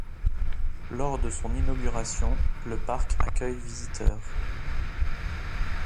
Lors de son inauguration, le parc accueille visiteurs.